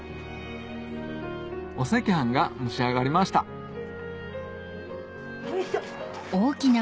お赤飯が蒸し上がりましたよいしょ。